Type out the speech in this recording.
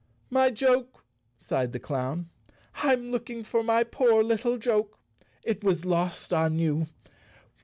"My joke," sighed the clown, "I'm looking for my poor little joke. It was lost on you.